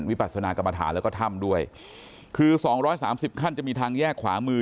ปัศนากรรมฐานแล้วก็ถ้ำด้วยคือสองร้อยสามสิบขั้นจะมีทางแยกขวามือ